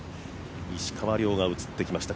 石川遼が映ってきました。